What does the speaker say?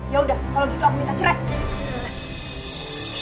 yaudah kalo gitu aku minta cerai